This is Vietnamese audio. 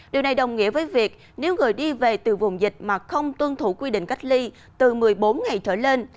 điều này đồng nghĩa với việc nếu người đi về từ vùng dịch mà không tuân thủ quy định cách ly từ một mươi bốn ngày trở lên